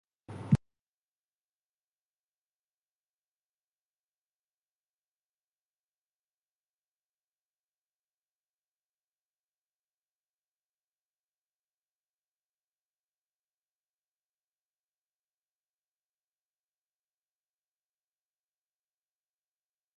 العلم من فضله لمن خدمه